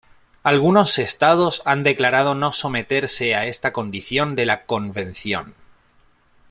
Algunos Estados han declarado no someterse a esta condición de la Convención.